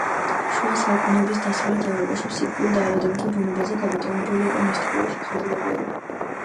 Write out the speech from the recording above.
შუა საუკუნეების დასავლეთ ევროპაში ფსიქიკურ დაავადებათა ბუნებაზე გაბატონებული იყო მისტიკური შეხედულებები.